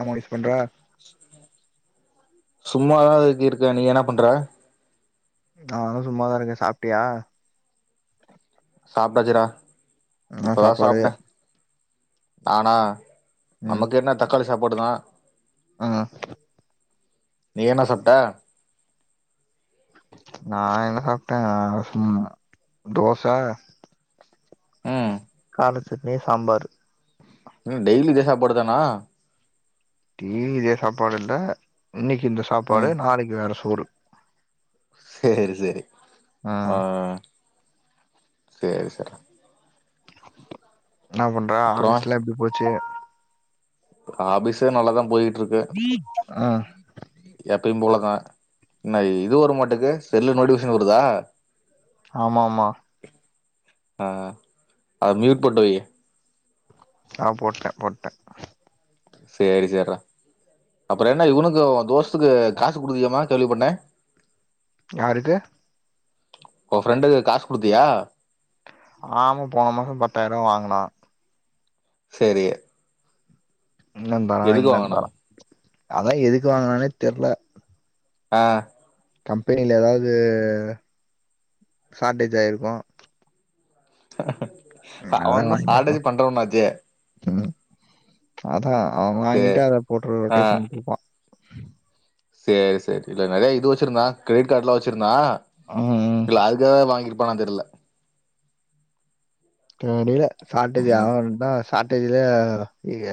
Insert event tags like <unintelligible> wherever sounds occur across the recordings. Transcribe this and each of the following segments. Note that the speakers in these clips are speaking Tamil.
ஆமா யூஸ் பண்றா சும்மாதா அதுக்கு இருக்கே நீ என்னாப் பண்ற நா வந்து சும்மாதா இருக்கே சாப்ட்டியா சாப்ட்டாச்சுடா என்ன இப்பதா சாப்பாடு சாப்ட்டே நானா ம் நமக்கு என்ன தக்காளி சாப்பாடுதா ஆ ஆ நீ என்ன சாப்ட நா என்ன சாப்ட்டே நாலா சும்மா தோச ம் கால சட்னி சாம்பாரு நீ டெய்லி இதே சாப்பாடுதானா டெய்லி இதே சாப்பாடு இல்ல இன்னக்கி இந்த சாப்பாடு ம் நாளைக்கு வேற சோறு சேரி சேரி ஆ ஆ சேரி சேரி என்ன பண்ற அப்றோ ஆபீஸ்லா எப்டி போச்சு ஆபிஸ்ஸு நல்லதா போயிட் ஆ எப்பையு போலதா என்ன இது ஒரு மாட்டுக்கு செல்லு நோடிபிகேஷன் வருதா ஆமாம்மா ஆ அத மியூட் போட்டு வையு ஆ போட்டே போட்டே சேரி சேர்ரா அப்பறோ என்ன இவனுக்கு ஓ தோஸ் க்கு காசு குடுக்கலயாமா கேள்வி பட்டே யாருக்கு ஓ ஃப்ரெண்டுக்கு காஸ் குடுத்தியா ஆமா போன மாசம் பத்தாயிர ருவா வாங்குனா செரி இன்னு தரான் இன்னு வாங்குனா தரான் அதா எதுக்கு வாங்குனான்னே தெர்ல ஆ கம்பெனில எதாவது சார்டேஜு ஆயிருக்கு அதுனாலதா அவன்தா வாங்கிருப்பா சாட்டர்ஜி பண்றவனாச்சே ம் அதா அவன் சேர் வாங்கிட்டு அத போட்டு ஆ ரொட்டேஷன் போப் பா சேரி சேரி இல்ல நெறையா இது வச்சுருந்தா க்ரிடிட் கார்ட்ல்லா வச்சுருந்தா ஆ ம் இல்ல அதுக்காகவே வாங்கி இருப்பானான் தெர்ல தெரியில சாட்டேஜு ம் அவன் இருந்தா ஷார்டேஜ்ல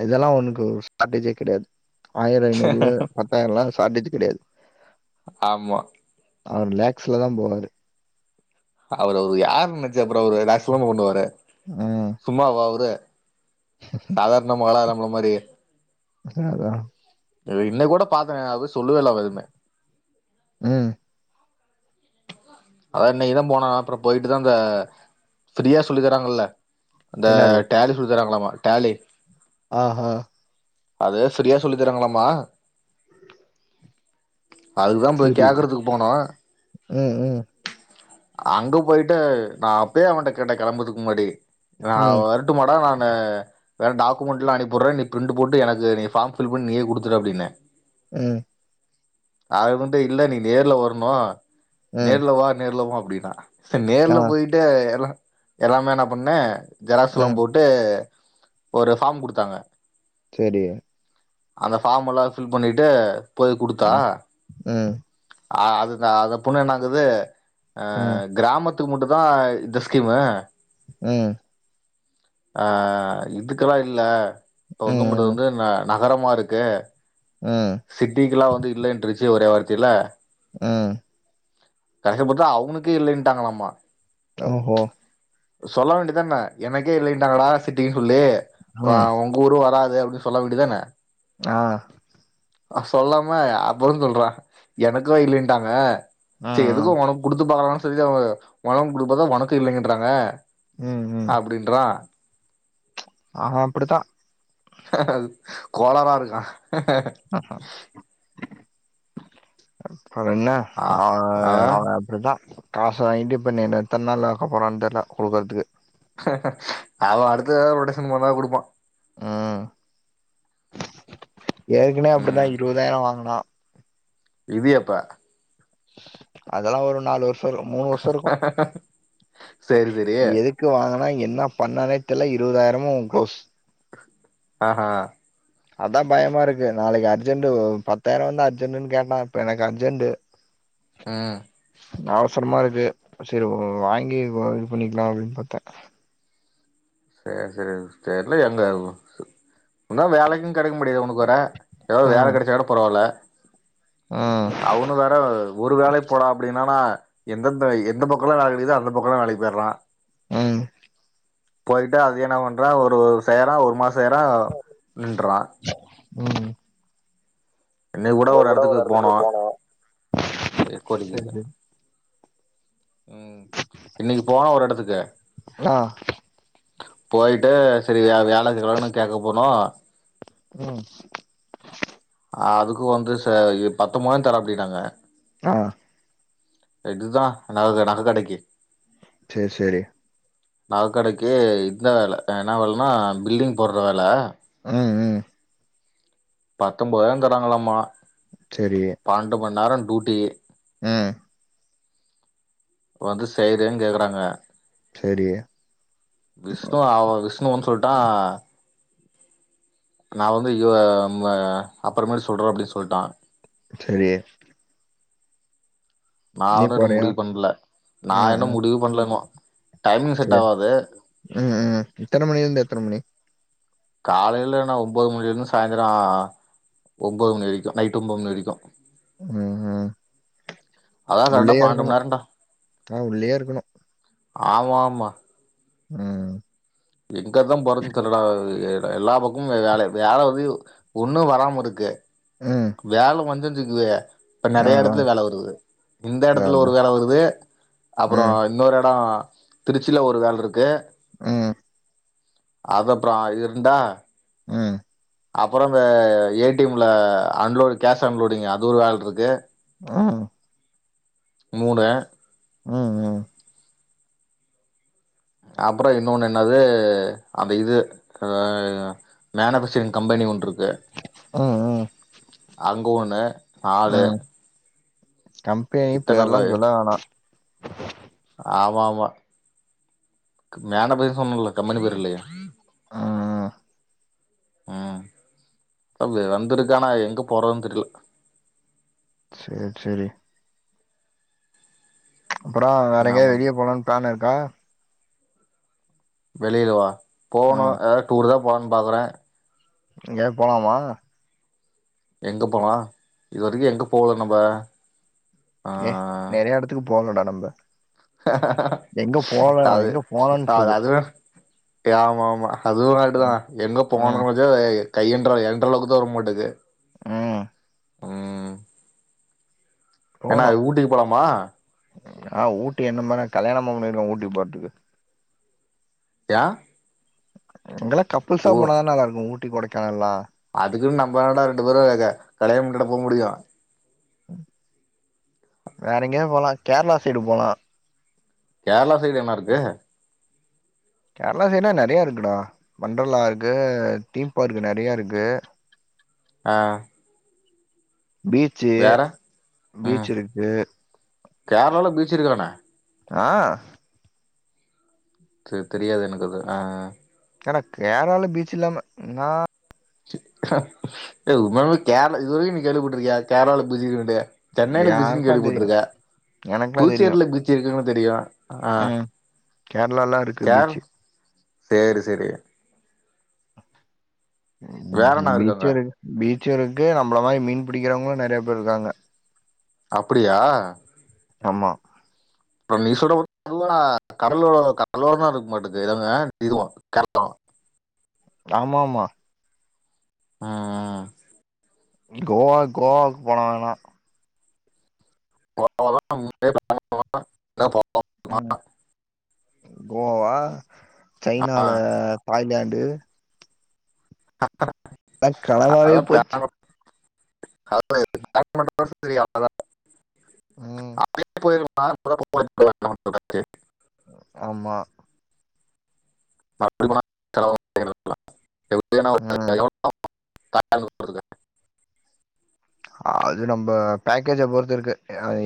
இதெல்லா ஒனுக்கு ஒரு ஷார்ட்டேஜே கிடையாது ஆயிரோ ஐநூறுல பத் பத்தாயிரல்லா ஷாட்டேஜு கெடையாது ஆமா அவரு லேக்ஸ்ல தான் போவாரு அவரு அவரு யாரு நினச்ச அப்றோ அவரு லேக்ஸ்லதா‌‌ பண்ணுவாரு ம். சும்மாவா அவரு சாதாரணமா ஆளா நம்ள மாதிரி சாதான் இன்னக்கி கூட பாத்தேனே அத சொல்ல‌வே இல்ல அவ எதுமே ம் அவ இன்னைக்கு தான் போனா அப்றோ போயிட்டு தா இந்த ஃப்ரீயா சொல்லி தறாங்கள்ல இந்த என்னது? டேலி சொல்லி தராங்களாமா டேலி ஆஹான் அதே ஃப்ரீயா சொல்லி தரங்களாமா அதான் போய் சரி. கேக்குறதுக்கு போனோம் ம் ம் அங்க போய்ட்டு நான் அப்பயே அவன்கிட்ட கேட்டே கிளம்புதுக்கு முன்னாடி நா ம், வரட் ட்டுமாடா நானு வேற டாக்குமென்ட் எல்லாம் அனுப்பிடுறே நீ பிரிண்ட் போட்டு எனக்கு நீ ஃபார்ம் பில் பண்ணி நீயே குடுத்துடு அப்டின்னே ம் அது வந்து இல்ல நீ நேர்ல வரணு ம். நேர்ல வா நேர்ல வா அப்டிதா சரி ஆ, நேர்ல போயிட்டு எல்லா எல்லாமே நா பண்ணே ஜெராசுலாம் ம். போ ட்டு ஒரு ஃபார்ம் குடுத்தாங்க சேரி அந்த ஃபார்முலா ஃபில் பண்ணிட்டு போய் குடுத்தா ம், ம், ஆ அதுதா அது பொண்ணு என்னாங்குது ஆ ம், கிராமத்து துமுட்டதாய் இந்த ஸ்கீம்மு ம் ஆ இதுக்கெல்லா இல்ல இப்ப வந்து உங்கவுடு வந்து ந நகரமாருக்கு ம் சிட்டிக்கெல்லாம் வந்து இல்லன்ருச்சு ஒரே வார்த்தேல ம் கடசிலே பாத்தா அவனுகே இல்லன்ட்டாங்களம்மா ஓஹோ சொல்ல வேண்டிதான எனக்கே இல்லைட்டாங்கடா சிட்டினு சொல்லி ம். பாவம் ஊரு வராது அப்டின்னு சொல்ல வேண்டியதான ஆ சொல்லாம அப்றோ சொல்றா‌ எனக்கும் இல்லீட்டாங்க ம், சே ம். எதுக்கும் உனக்கு கொடுத்து பாக்கலாம்னு சொல்லிதா அவ உனக்கு இல்லைங்கறாங்க ம், ம். அப்டின்னு அவே அப்டி தான் கோளாறாருக்கா ஆஹ்ஹா அப்றோ என்ன ஆ அவே அப்டிதா காச வாங்கிட்டு இப்ப இனி எத்ன் நாள் ஆக்க போறானு தெர்ல கூக்குறதுக்கு அவே அடுத்துதெதா ரொட்டேஷன் பண்ணா குடுப்பான் ம் ஏற்கனவே அப்டிதா ம் இருவதாயிரோ வாங்குனா இது எப்ப? அதெல்லா ஒரு நாலு வருஷோ மூணு வருஷோ இருக்கு சேரி சேரி க்கு வாங்குனா என்ன பண்ணானே தெரில இருவதாயிரமு குலோஸ் ஆ அதாபயமா இருக்கு நாளைக்கு அர்ஜென்ட் பத்தாயிரோ வந்து அர்ஜெனட்ன்னு கேட்டான் இப்ப எனக்கு அர்ஜென்டு ம் அவசரமா இருக்கு சேரி வாங்கி வ இது பண்ணிக்கலா அப்டின் பாத்த சேரி சேரி தெர்லயே அந்த ஒன்னா வேலைக்கு கெடைக்க மாட்டுது உனக்கு வேற எதோ ஒரு வேல ம் கெடச்சா கூட பரவால்ல ம் அவனு வேற ஒரு வேலைக் போடா அப்டின்னானா எந்தெந்த எந்த பக்கோல்லா வேல கெடைக்குதோ அந்த பக்கோல்லா வேலைக் போயர்றான் ம் போயிட்டு அது என்ன பண்றா ஒரு செய்றா ஒரு மாசோ செய்றா நின்ட்றான் ம் இன்னைக்கு கூட ஒரு எடத்துக்கு போனோ எக்கோ சரி அடிக்குது சரி ம் இன்னைக்கு போனோ ஒரு எடத்துக்கு ஆ போயிட்டு சேரி வேல செய்யலான்னு கேட்க போனோ ம் அதுக்கு வந்து ச பத்து மொதோ தர அப்டினாங்க ஆ இடுதா நக கடை நக கடைக்கு சேர் சேரி நக கடைக்கு இந்த வேல என்ன வேலனா பில்லிங் போட்ற வேல ம் ம் பத்தொம்பதாயிரோ தர்றாங்கலாமா சேரி பன்னெண்டு மண் நேரோ டுயூட்டி ம் வந்து செய்றயானு கேக்றாங்க சேரி விஷ்ணு அவன் விஷ்ணு வந் சொல்ட்டான் நா வந்து இவ ம் அ அப்பறமேட்டு சொல்ற அப்டி சொல்ட்டான் செரி நா நீ இன்னு போறியா? முடிவு பண்ல நா ம், இன்னு ம். முடிவு பண்ல இன்னு டைமிங் செட் சரி. ஆவாது ம் ம் எத்தன மணிலிந்து எத்தன மணி காலைல நா ஒம்பது மணிலிந்து சாய்ந்துரோ ஒம்பது மணி வரைக்கு நைட் ஒம்பது மணி வரைக்கு ம், ம். அதா கரெக்டா உள்ளயே பண்ணெண்டு மண் இருக்கணும். நேரன்டா ஆ உள்ளயே இருக்கணும். ஆமாமா ம் எங்கதா போறதுன்னு தெர்லடா எ எல்லா பக்கமு வேல வேல வந்து ஒண்ணு வராமிருக்கு ம். வேல வந்துத்திக்குவே இப்ப ஆ, நெறைய ஆ. எடத்துல வேல வருது இந்த அதான், எடத்துல ஒரு அதான். வேல வருது அப்புறோ ம், இன்னொரு எடோ திருச்சில ஒரு வேல்ருக்கு ம் அது அப்றோ அ இது இருந்தா ம் அப்பறம் ஆ ஏ டி எம் ல அன்லோடு கேஷ் அன்லோடிங் அது ஒரு வேல்ருக்கு ம் மூணு ம் ம் அப்பறோ இன்னொன்னு என்னாது அந்த இது ஆ அ மேனுஃபேக்சரிங் கம்பேனி ஒன்ட்ருக் கு ம், ம், அங்க ஒண்ணு நாலு கம்பேனி இத்தன பேர்ல்லா பே சொல்ல வேணா ஆமா ஆமா மேனு <unintelligible> சொன்னுல்ல கம்பனி பேரு இல்லையே அ அ ம் அவ்வு வந்திருக்கானா எங்க போறதுன் தெரில சேர் சேரி அப்புறோ வேற என்ன எங்கயாவ் பண்ற வெளிய போலான் ப்ளான் இருக்கா வெளிலவா போகணு ம். எதாது டூருதா போலான் பாக்குறே எங்கயாவ் போலாமா எங்கே போலா இதுவரிக்கு எங்க போல நம்ப ஆ ஏ நெறைய எடத்துக்கு போலடா நம்ப எங்க போல அது எங்க போலான்னு அ சொல்லு? அது வேண் ஆமா ஆமா அதுவு அ, கரெக்ட்டுதா எங்க அ, போனோ த <unintelligible> கை என்ற என்றளவுக்குதா வரமாட்டுது ம் எ நாளைக் ஊட்டிக்கு போலாமா ஆனா ஊட்டி என்னமனா கல்யாணமா பண்ணிருக்கோ ஊட்டி போற்துக்கு யா அங்கல்லா கப்பில்ஸா போனாதா நல்லாருக்கு ஊட்டி கொடைக்கானல்லா அதுக்குன்னு நம்ம ஏன்டா ரெண்டு பேரு அது கலயாணம் பண்ணிட போ முடியு ம் வேற எங்கயாவுபோலா கேரளா சைடு போலா கேரளா சைடு என்னாருக்கு கேரளா சைட்னா நெறைய இருக்குடா ஒன்டர்லா இருக்கு தீம் பார்க்கு நெறைய இருக்கு ஆ பீச் சீ வேற ம் பீச்சிருக்கு கேரளால பீச் இருக்கானே ஆ சேர் தெரியாது எனக்கு அது ஆ ஆ ஏன்டா கேரளாவ்ல பீச்சில்லாம இன்னாடா டே உண்மையாலுமே கேரள இதுவரைக்கு நீ கேள்விப்பட்டுருக்கியா கேரளால பீச்சி இருக்குன்ட்டு சென்னையில பீச்சினு யாருக்கா தெரியு கேள்விப்பட்டுருக்க எனக்குலா தெரியு புதுச்சேரில பீச்சி இருக்குனு தெரியு ஆ ம் கேரளாலா இருக்கு கேர் பீச்சு சேரி செரி வேற என்ன இருக்கு பீச்ச அங்க இரு பீச்ச இருக்கு நம்மள மாரி மீன் பிடிக்கிறவங்களு நறைய பேர் இருக்காங்க அப்புடியா ஆமா அப்புறோ நீ சொல்றத பாத்த கடலோட கடலோடதா இருக்குமாட்ருக்கு இவங்க இதுவு கடலு ஆமா ஆமா ம் ம் கோவா கோவாவுக்கு போனாங்னா ம் <unintelligible> கோவா ஆ, சைனால தாய்லாண்டு அ கனவாவே போச்சு <unintelligible> ம் <unintelligible> ஆமா அப்டி போனா செலவாகு ம் <unintelligible> அது நம்ப பேக்கேஜ பொறுத்து இருக்கு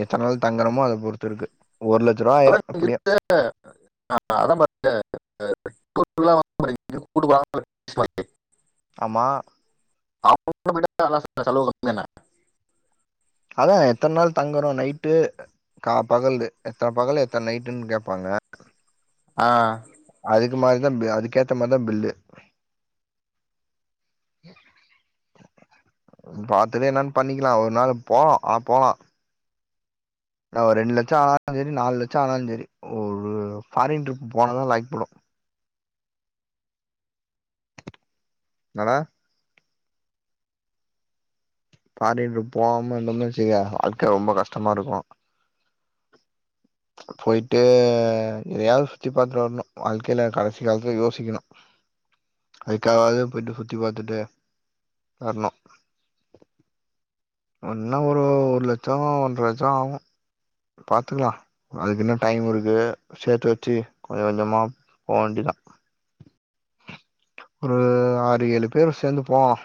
எத்தன் நாள் தங்கறமோ அத பொறுத்து இருக்கு ஒரு லட்ச ரூபா அதா ஆயிரு எப்டியு இருக்கு அத்தா பாத்த <unintelligible> கூட்டு போறாங்க ஆமா <unintelligible> அதா எத்தன் நாள் தங்குறோ நைட்டு கா பகல்து எத்தன பகல் எத்தன் நைட்டுன் கேப்பாங்க ஆ அதுக்கு மாரிதா அதுக்கேத்த மாரிதா பில்லு பாத்ததே என்னன் பண்ணிக்கலா ஒரு நாள் போகலா ஆ போலா என்ன ஒரு ரெண்டு லட்சோ ஆனாலு செரி நால் லட்சோ ஆனாலு செரி ஒரு ஃபாரின் ட்ரிப் போனாதா லாக்ப்படு என்னடா பாரின் ட்ரிப் போகாம இருந்தோ வெச்சிக்க வாழ்க்க ரொம்ப கஷ்டமா இருக்கு போய்ட்டு எதயாது சுத்தி பாத்துட் வர்ணு வாழ்க்கைல கடைசி காலத்துல யோசிக்கணு அதுக்காவாது போய்ட்டு சுத்தி பாத்துட்டு வர்ணு என்னா ஒரு ஒரு லட்சோ ஒன்ற லட்சோ ஆகு பாத்துக்கலா அதுக்கு இன்னு டைம் இருக்கு சேத்து வெச்சி கொஞ்சோ கொஞ்சமா போ வேண்டிதா ஒரு ஆறு ஏழு பேரு சேந்து போகலா